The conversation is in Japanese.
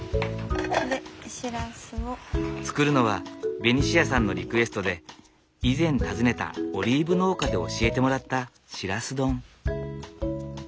作るのはベニシアさんのリクエストで以前訪ねたオリーブ農家で教えてもらったしらす丼。